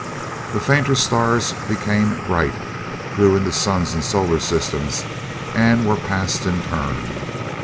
The fainter stars became bright, grew into suns and solar systems, and were passed in turn.